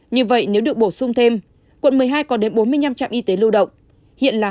như vậy nếu được bổ sung thêm quận một mươi hai có đến bốn mươi năm trạm y tế lưu động hiện là hai mươi năm